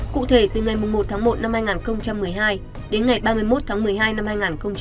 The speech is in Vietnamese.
cụ thể từ ngày một một hai nghìn một mươi hai đến ngày ba mươi một một mươi hai hai nghìn một mươi bảy